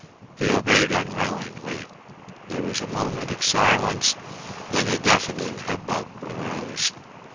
He obeyed unwillingly. There was a minute of silence, then a deafening hubbub arose.